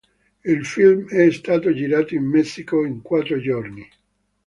Il film è stato girato in Messico in quattro giorni.